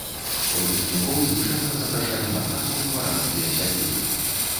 Выпускнікоў звычайна запрашалі на працу ў дваранскія сядзібы.